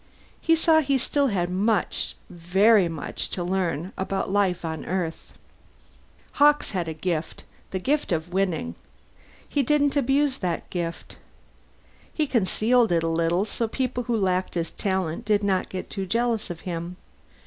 He saw he still had much, very much to learn about life on Earth. Hawkes had a gift the gift of winning. But he didn't abuse that gift. He concealed it a little, so the people who lacked his talent did not get too jealous of him.